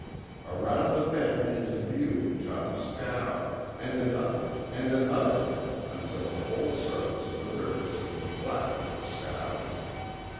Around the bend into view shot a scow, and another, and another, until the whole surface of the river seemed black with the scows.